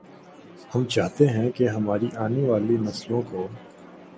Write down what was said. ہم چاہتے ہیں کہ ہماری آنے والی نسلوں کو